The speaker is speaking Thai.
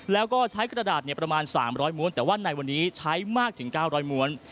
แล้วก็ใช้กระดาษประมาณ๓๐๐ม้วนแต่ว่าในวันนี้ใช้มากถึง๙๐๐ม้วน